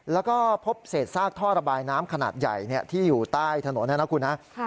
แล้วก็พบเศษซากท่อระบายน้ำขนาดใหญ่ที่อยู่ใต้ถนนนะครับ